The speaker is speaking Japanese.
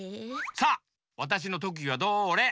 さあわたしのとくぎはどれ？